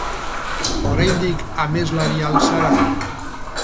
Oraindik ameslaria al zara?